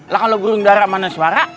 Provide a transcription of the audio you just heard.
lah kalau burung darah mana suara